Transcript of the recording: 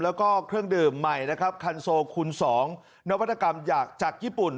แล้วก็เครื่องดื่มใหม่คันโซคุณสองนวัตกรรมหยากจากญี่ปุ่น